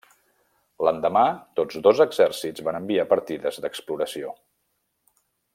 L'endemà tots dos exèrcits van enviar partides d'exploració.